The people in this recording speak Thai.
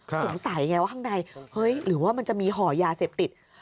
สงสัยไงว่าข้างในเฮ้ยหรือว่ามันจะมีห่อยาเสพติด